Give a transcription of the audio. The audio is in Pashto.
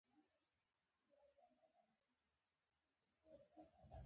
د زړه د تقویت لپاره د ګلاب اوبه وڅښئ